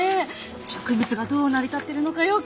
植物がどう成り立ってるのかよく分かる。